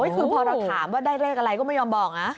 คือพอเราถามว่าได้เลขอะไรก็ไม่ยอมบอกนะ